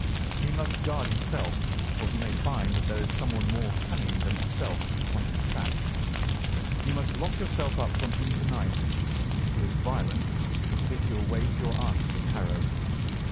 "He must guard himself, for he may find that there is someone more cunning than himself upon his track. You must lock yourself up from him to night. If he is violent, we shall take you away to your aunt's at Harrow.